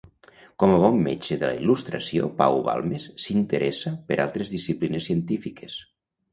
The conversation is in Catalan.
Com a bon metge de la Il·lustració, Pau Balmes s’interessa per altres disciplines científiques.